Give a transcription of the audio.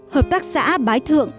hợp tác xã bái thượng